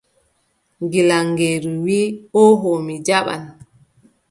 Gilaŋeeru wii: ooho mi jaɓan.